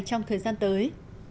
trong thời gian tới